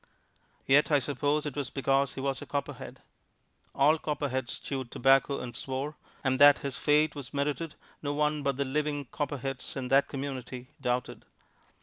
Yet I suppose it was because he was a Copperhead: all Copperheads chewed tobacco and swore, and that his fate was merited no one but the living Copperheads in that community doubted.